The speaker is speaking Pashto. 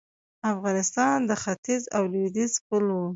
افغانستان د ختیځ او لویدیځ پل و